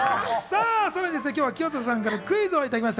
今日は清塚さんからクイズをいただきました。